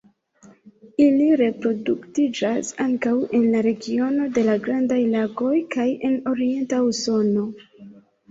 Ili reproduktiĝas ankaŭ en la regiono de la Grandaj Lagoj kaj en orienta Usono.